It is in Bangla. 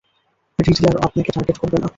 রিডলার আপনাকে টার্গেট করবে না।